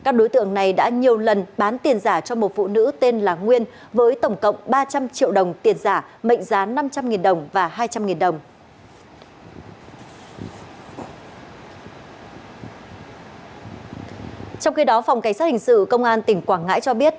người đã nhiều lần bán tiền giả cho một phụ nữ tên là nguyên với tổng cộng ba trăm linh triệu đồng tiền giả mệnh giá năm trăm linh đồng và hai trăm linh đồng